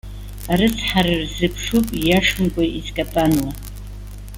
Арыцҳара рзыԥшуп ииашамкәа изкапануа!